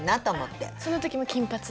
その時も金髪で？